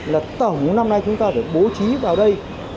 là tổng năm nay chúng ta được bố trí vào đây